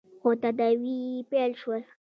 خو تداوې يې پیل شول.